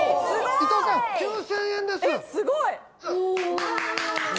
伊藤さん、９０００円です！